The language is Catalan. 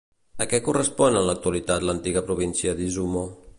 A què correspon en l'actualitat l'antiga província d'Izumo?